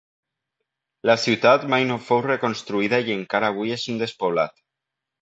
La ciutat mai no fou reconstruïda i encara avui és un despoblat.